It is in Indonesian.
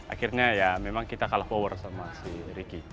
akhirnya ya memang kita kalah power sama si ricky